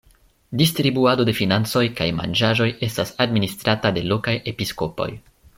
Distribuado de financoj kaj manĝaĵoj estas administrata de lokaj episkopoj.